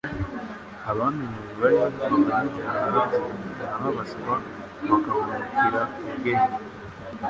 Abaminuje bari batwawe n'ijambo rye naho abaswa bakahurugukira ubwenge.